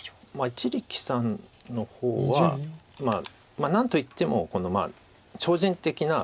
一力さんの方はまあ何といっても超人的な何というか。